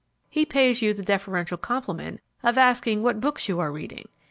He pays you the deferential compliment of asking what books you are reading.